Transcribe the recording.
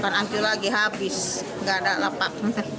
hancur lagi habis gak ada lapak